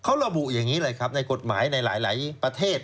เขาระบุอย่างนี้เลยครับในกฎหมายในหลายประเทศ